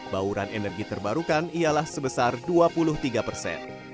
bauran energi terbarukan ialah sebesar dua puluh tiga persen